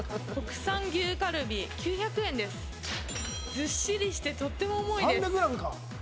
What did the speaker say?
ずっしりしてとっても重いです。